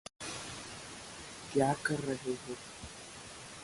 The dam also hosts a yacht club, and lock up storage facilities for boats.